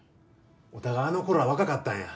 お互いあの頃は若かったんや。